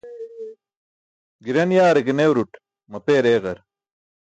Giran yaare ke newrut mapeer eeġar.